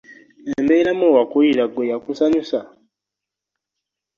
Embeera mwe wakulira ggwe yakusanyusa?